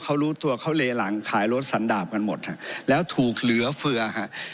เขารู้ตัวเขาเลหลังขายรถสันดาบกันหมดฮะแล้วถูกเหลือเฟือฮะ